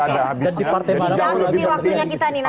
jangan habis nih waktunya kita nih nanti kita bahas dulu